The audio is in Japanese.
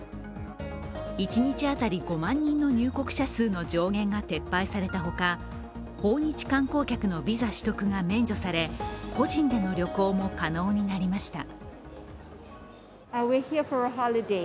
一日当たり５万人の入国者数の上限が撤廃されたほか訪日観光客のビザ取得が免除され個人での旅行も可能になりました。